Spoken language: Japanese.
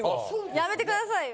やめてくださいよ。